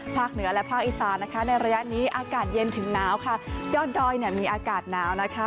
เหนือและภาคอีสานนะคะในระยะนี้อากาศเย็นถึงหนาวค่ะยอดดอยเนี่ยมีอากาศหนาวนะคะ